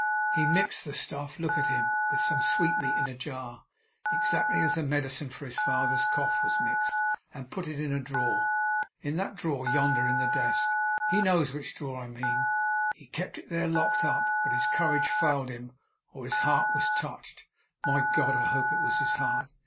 He mixed the stuff look at him! with some sweetmeat in a jar, exactly as the medicine for his father's cough was mixed, and put it in a drawer; in that drawer yonder in the desk; he knows which drawer I mean! He kept it there locked up. But his courage failed him or his heart was touched my God! I hope it was his heart!